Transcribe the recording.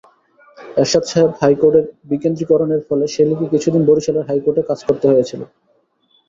এরশাদ সাহেব হাইকোর্টের বিকেন্দ্রীকরণের ফলে শেলীকে কিছুদিন বরিশালের হাইকোর্টে কাজ করতে হয়েছিল।